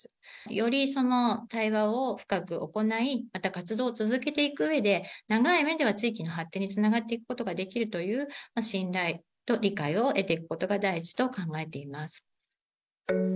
より対話を深く行い、また活動を続けていくうえで、長い目では地域の発展につながっていくことができるという信頼と理解を得ていくことが第一と考えています。